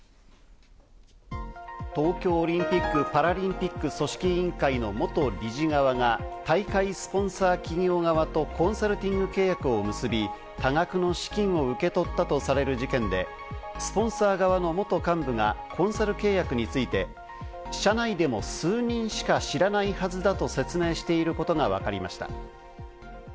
東京オリンピック・パラリンピック組織委員会の元理事側が大会スポンサー企業側とコンサルティング契約を結び、多額の資金を受け取ったとされる事件で、スポンサー側の元幹部がコンサル契約について、社内でも数人しか知らないはずだと説明していることがわかりました。